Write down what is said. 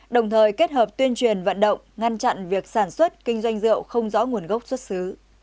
đồng thời kết hợp tuyên truyền vận động ngăn chặn việc sản xuất kinh doanh rượu không rõ nguồn gốc xuất xứ